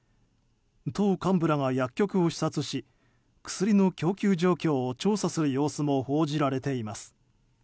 党幹部らが薬局を視察し薬の供給状況を調査する様子も報じられています。